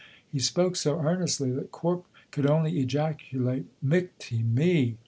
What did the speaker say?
He spoke so earnestly that Corp could only ejaculate, "Michty me!"